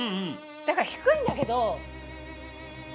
だから低いんだけど。